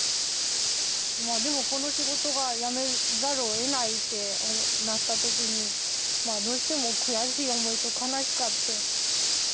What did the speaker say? まあでもこの仕事がやめざるをえないってなった時にまあどうしても悔しい思いと悲しかって。